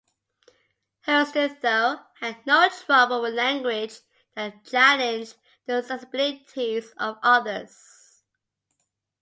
Hurston, though, had no trouble with language that challenged the sensibilities of others.